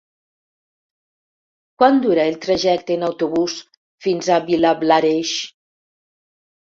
Quant dura el trajecte en autobús fins a Vilablareix?